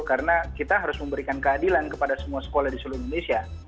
karena kita harus memberikan keadilan kepada semua sekolah di seluruh indonesia